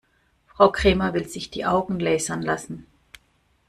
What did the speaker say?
Frau Krämer will sich die Augen lasern lassen.